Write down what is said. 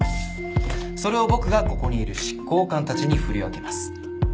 それを僕がここにいる執行官たちに振り分けます。